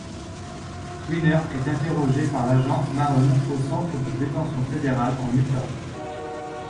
Tweener est interrogé par l'agent Mahone au centre de détention fédéral en Utah.